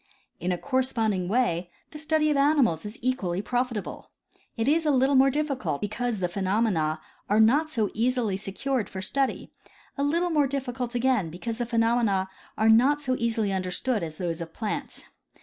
In a corresponding way the study of ani mals is equally profitable. It is a little more difficult because the phenomena are not so easily secured for study, a little more difficult again because the phenomena are not so easily under stood as those of plants.